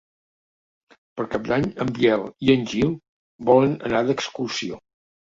Per Cap d'Any en Biel i en Gil volen anar d'excursió.